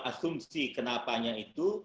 asumsi kenapanya itu